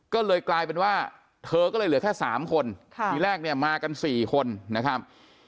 ก็เลยกลายเป็นว่าเธอก็เลยเหลือแค่๓คนที่แรกเนี่ยมากัน๔คนนะครับ